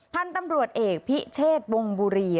พันธุ์ตำรวจเอกพิเชษวงบุรี